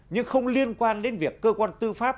nhưng không liên quan đến việc cơ quan tư pháp